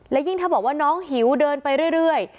และยิ่งถ้าบอกว่าน้องหิวเดินไปเรื่อย